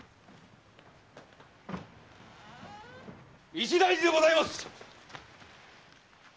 一大事でございます！